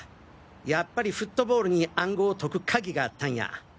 やっぱり「フットボウル」に暗号を解くカギがあったんや！